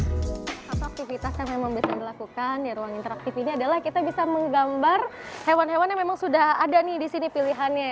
salah satu aktivitas yang memang bisa dilakukan di ruang interaktif ini adalah kita bisa menggambar hewan hewan yang memang sudah ada nih di sini pilihannya